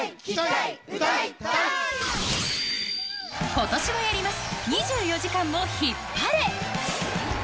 今年もやります